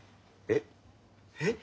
えっえっ！？